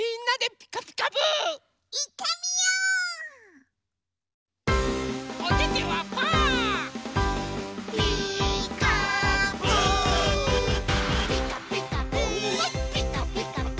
「ピカピカブ！ピカピカブ！」